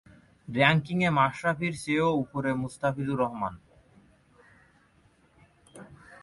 র্যাঙ্কিংয়ে মাশরাফির চেয়েও ওপরে মোস্তাফিজুর রহমান।